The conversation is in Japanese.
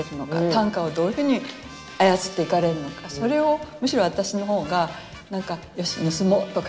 短歌をどういうふうに操っていかれるのかそれをむしろ私の方が何か「よし盗もう」とかね